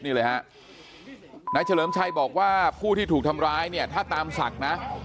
นี่เลยฮะนายเฉลิมชัยบอกว่าผู้ที่ถูกทำร้ายเนี่ยถ้าตามศักดิ์นะ